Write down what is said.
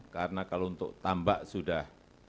karena kalau untuk tambak sudah